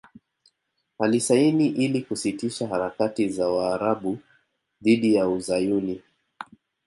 Alisaini ili kusitisha harakati za Waarabu dhidi ya Uzayuni